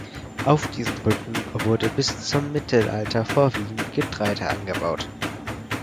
Auf diesen Rücken wurde bis zum Mittelalter vorwiegend Getreide angebaut.